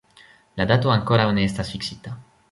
La dato ankoraŭ ne estas fiksita.